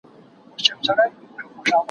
غل هم وايي خدايه، د کور خاوند هم وايي خدايه.